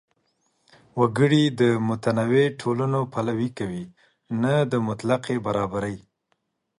وګړي د متنوع ټولنو پلوي کوي، نه د مطلق برابرۍ.